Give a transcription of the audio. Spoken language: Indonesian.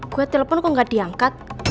gue telepon kok gak diangkat